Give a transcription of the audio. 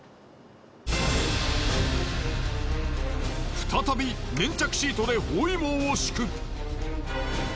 再び粘着シートで包囲網を敷く。